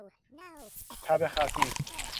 تب خفیف